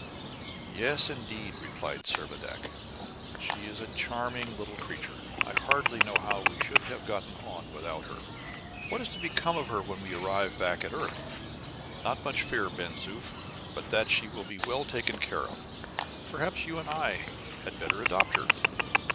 "Yes, indeed," replied Servadac; "she is a charming little creature. I hardly know how we should have got on without her." "What is to become of her when we arrive back at the earth?" "Not much fear, Ben Zoof, but that she will be well taken care of. Perhaps you and I had better adopt her."